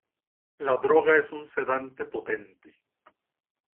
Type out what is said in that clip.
La droga es un sedante potente.